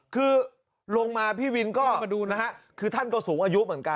คือลงมาพี่วินก็มาดูนะฮะคือท่านก็สูงอายุเหมือนกัน